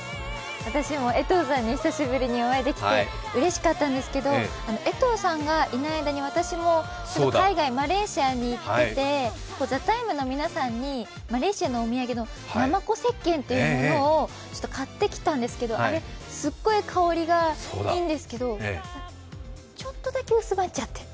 私も江藤さんに久しぶりにお会いできてうれしかったんですけど江藤さんがいない間に私も海外、マレーシアに行ってて、「ＴＨＥＴＩＭＥ，」の皆さんにマレーシアのお土産のなまこ石鹸というものをあれすっごい香りがいいんですけど、ちょっとだけ薄まっちゃってる。